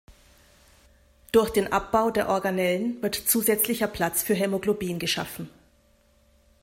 Durch den Abbau der Organellen wird zusätzlicher Platz für Hämoglobin geschaffen.